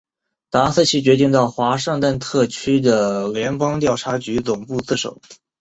达斯奇决定到华盛顿特区的联邦调查局总部自首。